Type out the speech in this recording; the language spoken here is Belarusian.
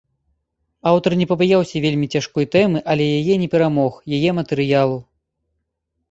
Аўтар не пабаяўся вельмі цяжкой тэмы, але яе не перамог, яе матэрыялу.